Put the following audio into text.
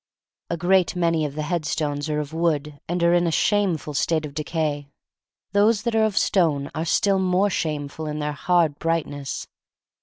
A great many of the headstones are of wood and are in a shameful state of decay. Those that are of stone are still more shameful in their hard brightness.